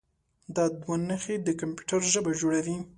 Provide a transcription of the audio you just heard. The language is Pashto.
دا دوه نښې د کمپیوټر ژبه جوړوي.